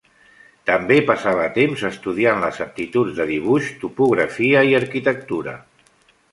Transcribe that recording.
També passava temps estudiant les aptituds de dibuix, topografia i arquitectura.